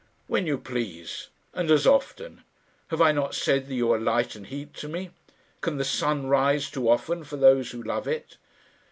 "When you please, and as often. Have I not said that you are light and heat to me? Can the sun rise too often for those who love it?"